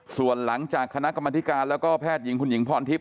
ส่วนหลังจากคณะกรรมธิการแล้วก็แพทย์หญิงคุณหญิงพรทิพย